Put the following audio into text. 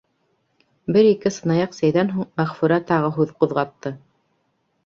Бер-ике сынаяҡ сәйҙән һуң Мәғфүрә тағы һүҙ ҡуҙғатты: